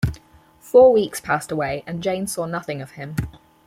Four weeks passed away, and Jane saw nothing of him.